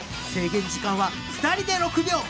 ［制限時間は２人で６秒。